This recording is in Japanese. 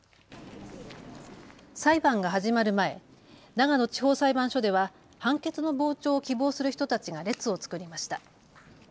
裁判が始まる前、長野地方裁判所では判決の傍聴を希望する人たちが列を作りました。